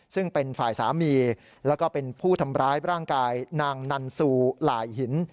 ซึ่งเป็นฝ่ายสามีแล้วก็เป็นผู้ทำร้ายร่างกายนางนันซูหลายหิน